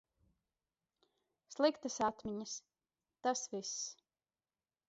Sliktas atmiņas, tas viss.